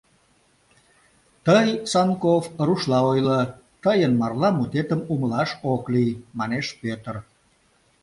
— Тый, Санков, рушла ойло, тыйын «марла» мутетым умылаш ок лий, — манеш Пӧтыр.